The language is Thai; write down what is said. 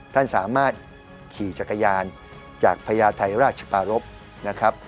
ท่านสามารถขี่จักรยานจากพญาไทยราชปารพนะครับ